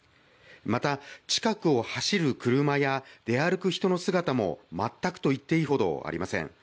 また、近くを走る車や出歩く人の姿も、全くと言っていいほどありません。